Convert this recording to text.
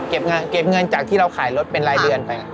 เก็บเงินจากที่เราขายรถเป็นรายเดือนไป